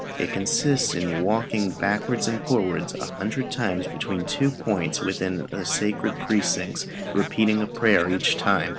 It consists in walking backwards and forwards a hundred times between two points within the sacred precincts, repeating a prayer each time.